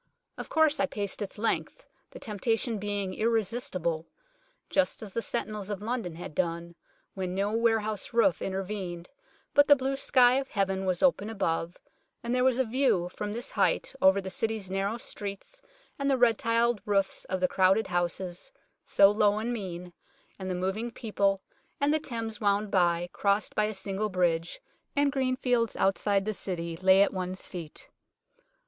Of course I paced its length, the temptation being irresistible, just as the sentinels of London had done, when no warehouse roof intervened but the* blue sky of heaven was open above, and there was a view from this height over the City's narrow streets and the red tiled roofs of the crowded houses, so low and mean, and the moving people, and the Thames wound by, crossed by a single bridge, and green fields outside the City lay at one's feet.